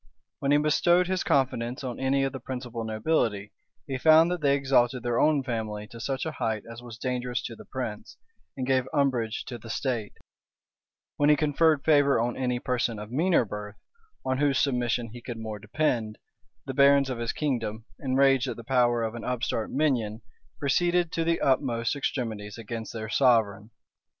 When he bestowed his confidence on any of the principal nobility, he found that they exalted their own family to such a height as was dangerous to the prince, and gave umbrage to the state: when he conferred favor on any person of meaner birth, on whose submission he could more depend, the barons of his kingdom, enraged at the power of an upstart minion, proceeded to the utmost extremities against their sovereign.